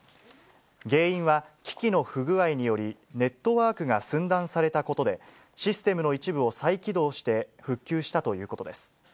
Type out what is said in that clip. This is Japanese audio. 原因は機器の不具合により、ネットワークが寸断されたことで、システムの一部を再起動して復旧したということです。